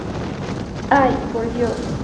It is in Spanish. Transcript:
Ay, por Dios!...